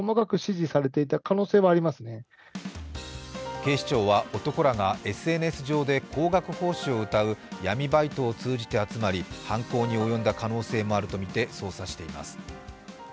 警視庁は、男らがＳＮＳ上で高額報酬をうたう闇バイトを通じて集まり、犯行に及んだ可能性もあるとみて捜査しています。